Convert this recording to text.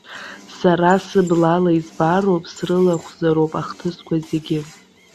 Сара сыблала избароуп, срылахәзароуп ахҭысқәа зегьы.